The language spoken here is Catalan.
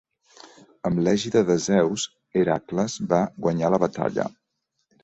Amb l'ègida de Zeus, Hèracles va guanyar la batalla.